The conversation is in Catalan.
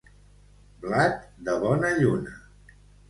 Blat de bona lluna.